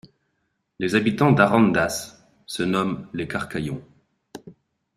Les habitants d'Arandas se nomment les Carcaillons.